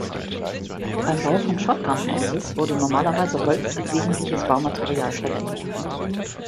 Beim Bau von Shotgun Houses wurde normalerweise Holz als wesentliches Baumaterial verwendet.